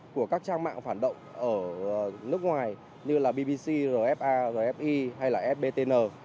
của các trang mạng phản động ở nước ngoài như là bbc rfa rfi hay là fbtn